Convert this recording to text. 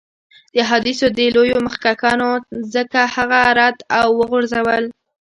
د احادیثو دې لویو مخکښانو ځکه هغه رد او وغورځول.